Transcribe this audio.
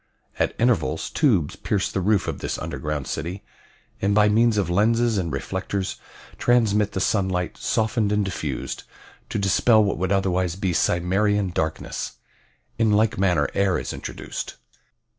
At intervals tubes pierce the roof of this underground city, and by means of lenses and reflectors transmit the sunlight, softened and diffused, to dispel what would otherwise be Cimmerian darkness. In like manner air is introduced.